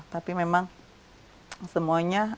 tapi memang semuanya